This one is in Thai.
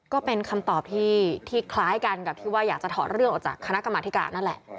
ก็เป็นคำตอบที่คล้ายกันกับที่ว่าอยากจะถอดเรื่องออกจากคณะกรรมธิการนั่นแหละ